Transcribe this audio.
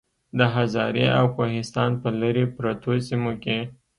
د هزارې او کوهستان پۀ لرې پرتو سيمو کې